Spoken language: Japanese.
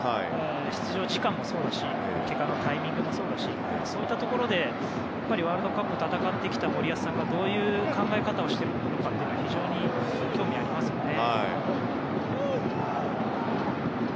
出場時間もそうだしそしてタイミングもそうだしワールドカップを戦ってきた森保さんがどう考えているのか非常に興味がありますね。